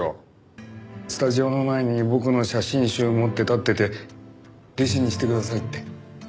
スタジオの前に僕の写真集を持って立ってて「弟子にしてください」って。